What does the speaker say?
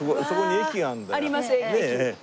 駅。